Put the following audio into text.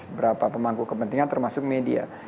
beberapa pemangku kepentingan termasuk media